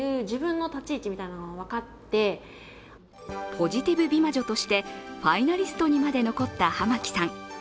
ポジティブ美魔女としてファイナリストにまで残った浜木さん。